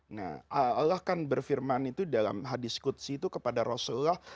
nah allah kan berfirman itu dalam hadis kudsi itu kepada rasulullah